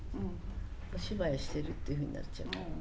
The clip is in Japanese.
お芝居してるっていうふうになっちゃうから。